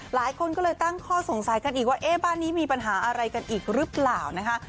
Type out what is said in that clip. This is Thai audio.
หลายคนก็เลยตั้งข้อสงสัยกันอีกว่าเอ๊ะบ้านนี้มีปัญหาอะไรกันอีกหรือเปล่านะคะ